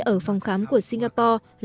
ở phòng khám của singapore